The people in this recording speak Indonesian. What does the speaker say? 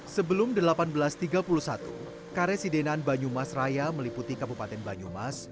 sebelum seribu delapan ratus tiga puluh satu kare sidenan banyumasraya meliputi kabupaten banyumas